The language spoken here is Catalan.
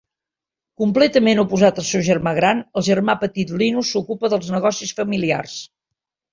Completament oposat al seu germà gran, el germà petit Linus s'ocupa dels negocis familiars.